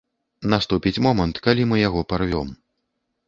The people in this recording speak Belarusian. Наступіць момант, калі мы яго парвём.